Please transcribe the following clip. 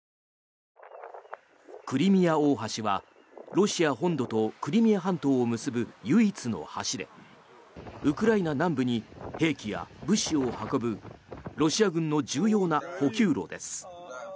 クリミア大橋はロシア本土とクリミア半島を結ぶ唯一の橋でウクライナ南部に兵器や物資を運ぶロシア軍の重要な補給路です。